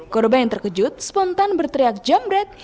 korban yang terkejut spontan berteriak jambret